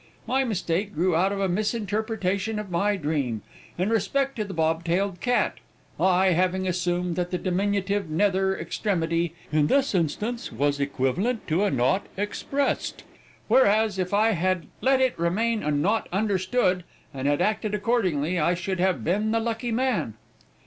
My mistake grew out of a misinterpretation of my dream, in respect to the bob tailed cat, I having assumed that the diminutive nether extremity, in this instance, was equivalent to a nought expressed, whereas, if I had let it remain a nought understood, and had acted accordingly, I should have been the lucky man."